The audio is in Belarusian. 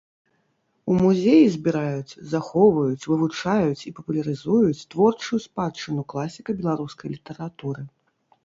У музеі збіраюць, захоўваюць, вывучаюць і папулярызуюць творчую спадчыну класіка беларускай літаратуры.